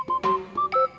saya juga ngantuk